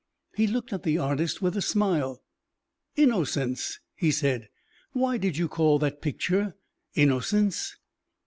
He looked at the artist with a smile. "'Innocence,'" he said. "Why did you call that picture 'Innocence?'"